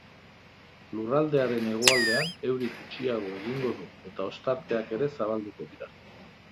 Lurraldearen hegoaldean euri gutxiago egingo du eta ostarteak ere zabalduko dira.